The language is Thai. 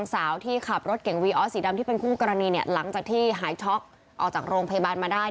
สาวที่ขับรถเก่งวีออสสีดำที่เป็นคู่กรณีเนี่ยหลังจากที่หายช็อกออกจากโรงพยาบาลมาได้